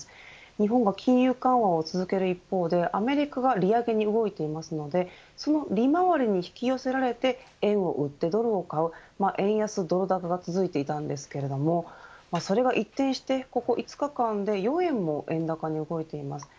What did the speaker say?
日本が金融緩和を続ける一方でアメリカが利上げに動いていますのでその利回りに引き寄せられて円を売ってドルを買う円安ドル高が続いていたんですけれどもそれが一転して、ここ５日間で４円も円高に動いています。